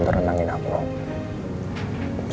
perkataan kamu baru saja menerima aku